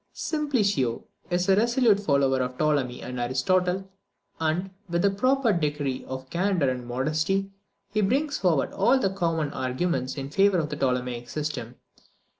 Simplicio is a resolute follower of Ptolemy and Aristotle, and, with a proper degree of candour and modesty, he brings forward all the common arguments in favour of the Ptolemaic system.